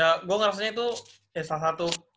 ya gue ngerasanya itu ya salah satu